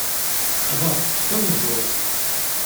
Ad aɣ-tekkseḍ ameẓẓuɣ!